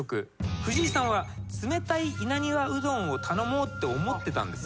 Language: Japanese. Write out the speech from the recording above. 藤井さんは冷たい稲庭うどんを頼もうって思ってたんです。